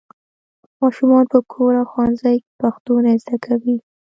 ماشومان په کور او ښوونځي کې پښتو نه زده کوي.